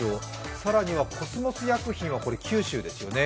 更にはコスモス薬品は九州ですよね。